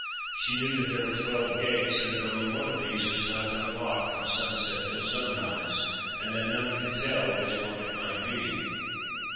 She knew that there were twelve gates, and that only one of these was left unlocked from sunset till sunrise, and that none could tell which one it might be.